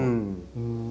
うん。